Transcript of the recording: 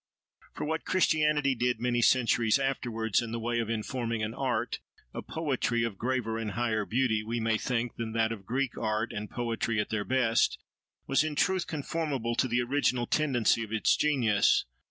For what Christianity did many centuries afterwards in the way of informing an art, a poetry, of graver and higher beauty, we may think, than that of Greek art and poetry at their best, was in truth conformable to the original tendency of its genius.